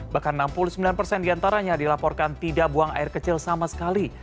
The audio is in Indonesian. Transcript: bahkan enam puluh sembilan persen diantaranya dilaporkan tidak buang air kecil sama sekali